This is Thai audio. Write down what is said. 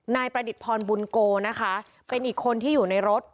นายประดิษฐพรบุญโกนะคะเป็นอีกคนที่อยู่ในรถ